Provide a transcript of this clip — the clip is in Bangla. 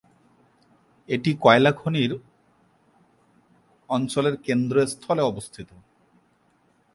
এটি কয়লা খনির অঞ্চলের কেন্দ্রস্থলে অবস্থিত।